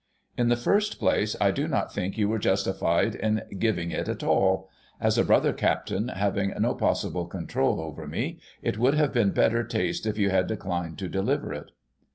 In the first place, I do not think you were justified in giving it at all ; as a brother captain, having no possible control over me, it would have been better taste if you had declined to deliver it.'